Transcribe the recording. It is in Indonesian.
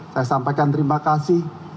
saya sampaikan terima kasih